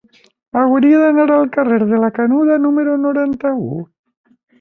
Hauria d'anar al carrer de la Canuda número noranta-u.